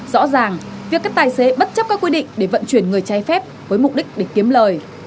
rõ ràng việc các tài xế bất chấp các quy định để vận chuyển người trái phép với mục đích để kiếm lời